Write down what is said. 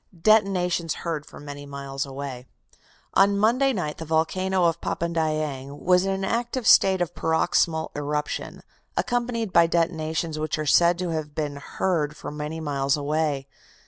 DETONATIONS HEARD FOR MANY MILES AWAY "On Monday night the volcano of Papandayang was in an active state of paroxysmal eruption, accompanied by detonations which are said to have been heard for many miles away.